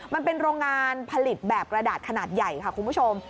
มันเป็นโรงงานผลิตแบบกระดาษขนาดใหญ่ค่ะคุณผู้ชม